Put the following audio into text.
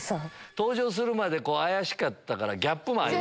登場するまで怪しかったからギャップもありますよね。